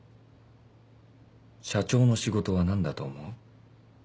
社長の仕事は何だと思う？